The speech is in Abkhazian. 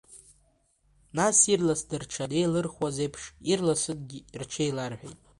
Нас, ирласны рҽанеилырхуаз еиԥш, ирласынгьы рҽеиларҳәеит.